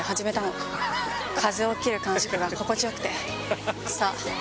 風を切る感触が心地よくて。